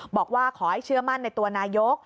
บอกว่าขอให้เชื่อมั่นในตัวนายก